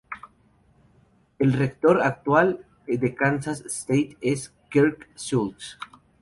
El rector actual de Kansas State es Kirk Schulz.